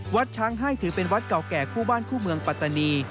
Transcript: วัดช้างให้ถือเป็นวัดเก่าแก่คู่บ้านคู่เมืองปัตตานี